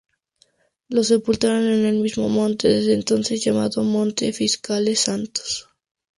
Los sepultaron en el mismo monte, desde entonces llamado "Monte Fiscales Santos".